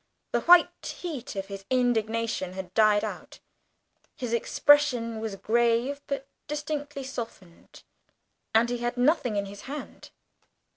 The white heat of his indignation had died out: his expression was grave but distinctly softened and he had nothing in his hand.